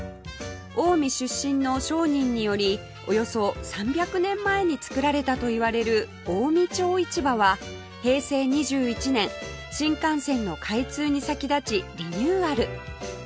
近江出身の商人によりおよそ３００年前に作られたといわれる近江町市場は平成２１年新幹線の開通に先立ちリニューアル